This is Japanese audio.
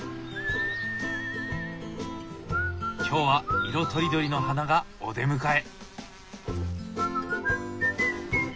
今日は色とりどりの花がお出迎え。